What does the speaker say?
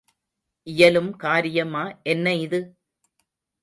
இயலும் காரியமா என்ன இது?